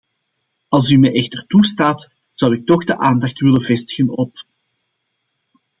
Als u mij echter toestaat, zou ik toch de aandacht willen vestigen op...